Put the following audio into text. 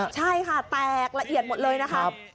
ใช่ค่ะแตกละเอียดหมดเลยนะคะ